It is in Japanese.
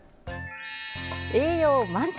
栄養満点！